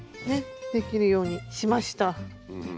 できるようにしました。